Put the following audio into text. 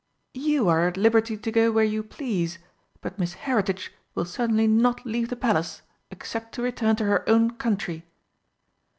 "You are at liberty to go where you please, but Miss Heritage will certainly not leave the Palace except to return to her own country."